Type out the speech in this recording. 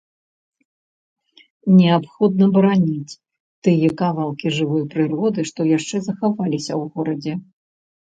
Неабходна бараніць тыя кавалкі жывой прыроды, што яшчэ захаваліся ў горадзе.